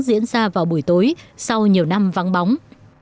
diễn ra vào buổi tối sau nhiều năm vắng bóng